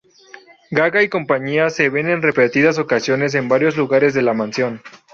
Gaga y compañía se ven en repetidas ocasiones en varios lugares de la mansión.